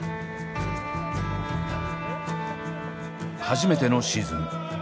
初めてのシーズン。